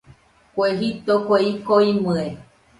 Kue jito, kue ɨko imɨe